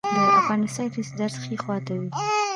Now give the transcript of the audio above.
د اپنډیسایټس درد ښي خوا ته وي.